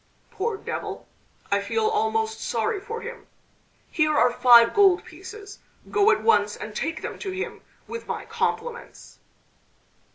"Poor devil! I feel almost sorry for him! Here are five gold pieces. Go at once and take them to him with my compliments."